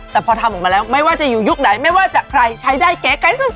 แต่พอทำออกมาแล้วไม่ว่าจะอยู่ยุคไหนไม่ว่าจะใครใช้ได้เก๋ไกลสุด